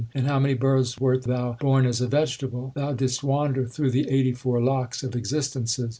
In how many births wert thou born as a vegetable ! Thou didst wander through the eighty four lakhs of existences.